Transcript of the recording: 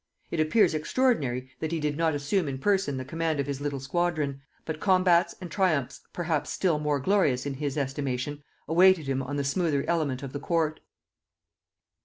It appears extraordinary that he did not assume in person the command of his little squadron; but combats and triumphs perhaps still more glorious in his estimation awaited him on the smoother element of the court.